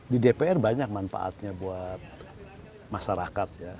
di dpr banyak manfaatnya buat masyarakat ya